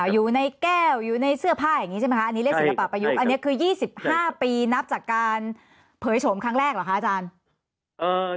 อยู่ในแก้วอยู่ในเสื้อผ้าอย่างนี้ใช่ไหมคะอันนี้เรียกศิลปะประยุกต์อันนี้คือ๒๕ปีนับจากการเผยโฉมครั้งแรกเหรอคะอาจารย์